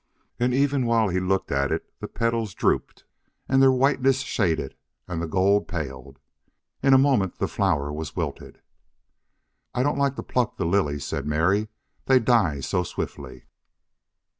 And even while he looked at it the petals drooped and their whiteness shaded and the gold paled. In a moment the flower was wilted. "I don't like to pluck the lilies," said Mary. "They die so swiftly."